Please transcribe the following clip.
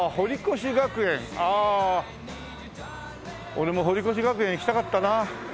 俺も堀越学園行きたかったな。